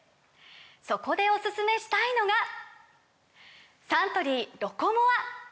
そこでおすすめしたいのがサントリー「ロコモア」！